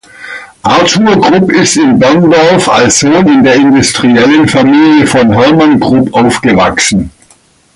Arthur Krupp ist in Berndorf als Sohn in der Industriellenfamilie von Hermann Krupp aufgewachsen.